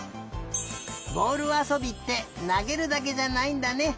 ぼおるあそびってなげるだけじゃないんだね。